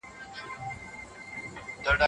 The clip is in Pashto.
فرصتونه له لاسه مه ورکوئ.